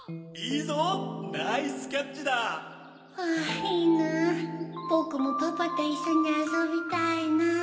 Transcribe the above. いいなぼくもパパといっしょにあそびたいなぁ。